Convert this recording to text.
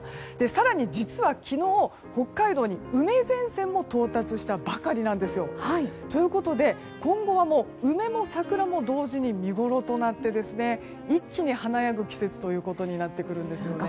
更に実は昨日、北海道に梅前線も到達したばかりなんですよ。ということで今後は梅も桜も同時に見ごろとなって一気に華やぐ季節となってくるんですよね。